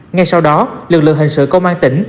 ngay sau đó lực lượng hình sự công an tỉnh